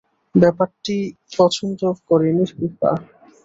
ব্যাপারটি পছন্দ করেনি ফিফা।